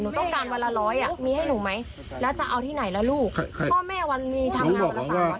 หนูต้องการวันละร้อยอ่ะมีให้หนูไหมแล้วจะเอาที่ไหนล่ะลูกพ่อแม่วันมีทำงานวันละสามร้อย